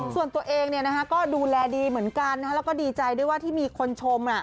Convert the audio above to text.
ส่วนตัวเองก็ดูแลดีเหมือนกันแล้วก็ดีใจด้วยว่าที่มีคนชม